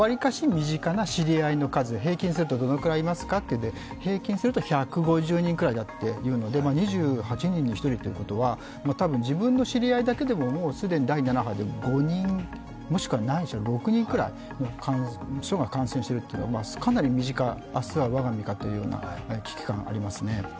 身近な知り合いの数、平均するとどのくらいいますかということで、平均すると１５０人くらいなので、２８人に１人ということは、多分自分の知り合いだけでも第７波で５人ないしは６人くらいの人が感染しているというかなり身近、明日は我が身だというような危機感ありますね。